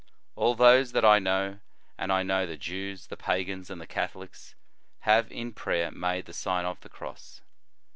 All those that I know, and I know the Jews, the Pagans, and the Catholics, have, in prayer, made the Sign of the Cross.